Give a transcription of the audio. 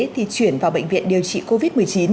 thì chuyển vào bệnh viện điều trị covid một mươi chín